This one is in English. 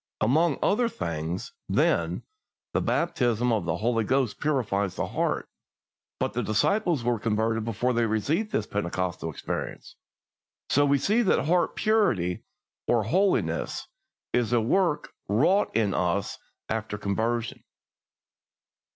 Among other things, then, the baptism of the Holy Ghost purifies the heart; but the disciples were converted before they received this Pentecostal experience, so we see that heart purity, or holiness, is a work wrought in us after conversion.